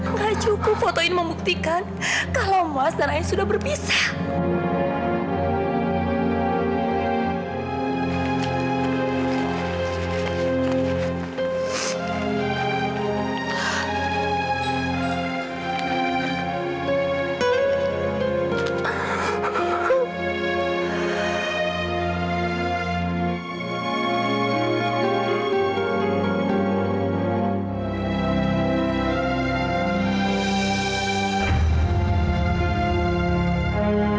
tidak cukup foto ini membuktikan kalau mas dan aini sudah berpisah